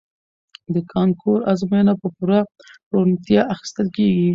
د کانکور ازموینه په پوره روڼتیا اخیستل کیږي.